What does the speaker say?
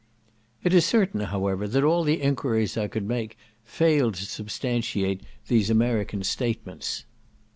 It is certain, however, that all the enquiries I could make failed to substantiate these American statements.